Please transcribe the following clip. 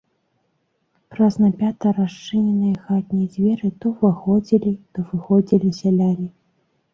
Праз напята расчыненыя хатнія дзверы то ўваходзілі, то выходзілі сяляне.